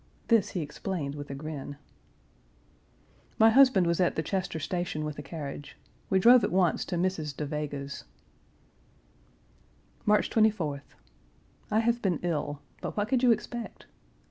This he explained with a grin. My husband was at the Chester station with a carriage. We drove at once to Mrs. Da Vega's. March 24th. I have been ill, but what could you expect?